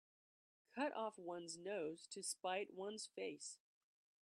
Cut off one's nose to spite one's face.